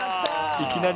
いきなり！